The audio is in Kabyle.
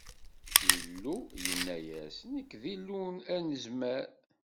Illu yenna-yas: Nekk, d Illu Anezmar!